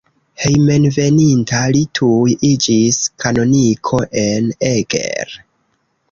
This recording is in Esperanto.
Hejmenveninta li tuj iĝis kanoniko en Eger.